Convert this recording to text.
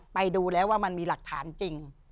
ไปดูแล้วว่ามันมีหลักฐานจริง